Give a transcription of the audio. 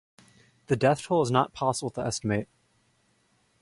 The death toll is not possible to estimate.